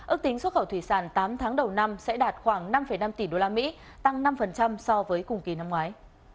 ước tính xuất khẩu thủy sản tám tháng đầu năm sẽ đạt khoảng năm năm tỷ đô la mỹ tăng năm so với cùng kỳ năm ngoái